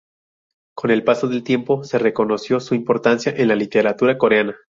Con el paso del tiempo se reconoció su importancia en la literatura coreana.